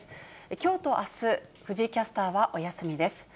きょうとあす、藤井キャスターはお休みです。